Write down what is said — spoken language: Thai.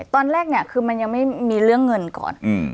ตอนแรกเนี่ยคือมันยังไม่มีเรื่องเงินก่อน